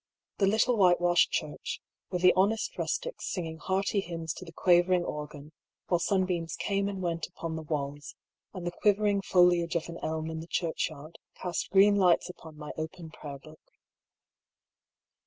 The little whitewashed church, with the honest rustics singing hearty hymns to the quavering organ, while sunbeams came and went upon the walls, and the quivering foliage of an elm in the churchyard cast green lights upon my open prayer book.